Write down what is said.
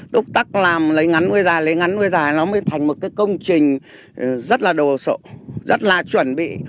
tức tắc làm lấy ngắn với dài lấy ngắn với dài nó mới thành một công trình rất là đồ sộ rất là chuẩn bị